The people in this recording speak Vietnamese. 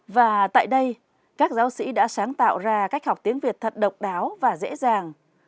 và tại đây các giáo sĩ đã sáng tạo ra cách học tiếng việt thật độc đáo và dễ dàng